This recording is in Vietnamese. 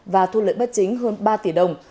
và thu lợi bất chính hơn ba triệu đồng